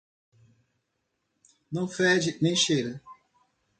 Não fede, nem cheira